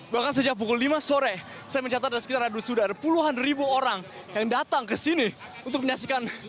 bahkan sejak pukul lima sore saya mencatat ada sekitar sudah ada puluhan ribu orang yang datang ke sini untuk menyaksikan